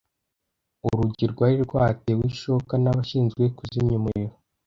Urugi rwari rwatewe ishoka n'abashinzwe kuzimya umuriro.